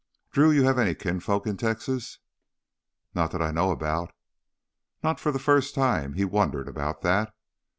"Drew, you have any kinfolk in Texas?" "Not that I know about." Not for the first time he wondered about that.